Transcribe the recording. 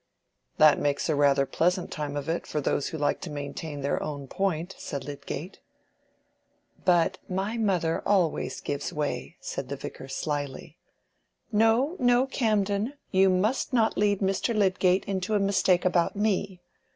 "That makes rather a pleasant time of it for those who like to maintain their own point," said Lydgate. "But my mother always gives way," said the Vicar, slyly. "No, no, Camden, you must not lead Mr. Lydgate into a mistake about me.